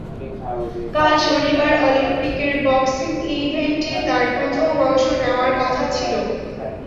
কাল শনিবার অলিম্পিকের বক্সিং ইভেন্টে তাঁর প্রথম অংশ নেওয়ার কথা ছিল।